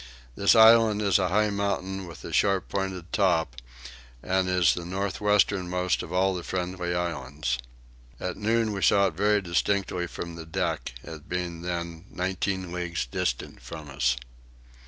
This island is a high mountain with a sharp pointed top, and is the north westernmost of all the Friendly Islands. At noon we saw it very distinctly from the deck, it being then nineteen leagues distant from us.